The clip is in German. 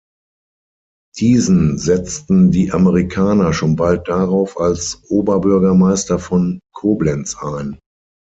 Diesen setzten die Amerikaner schon bald darauf als Oberbürgermeister von Koblenz ein.